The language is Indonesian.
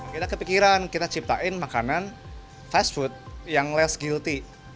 kita kepikiran kita ciptain makanan fast food yang less gilty